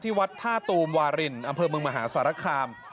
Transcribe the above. วัดท่าตูมวารินอำเภอเมืองมหาสารคาม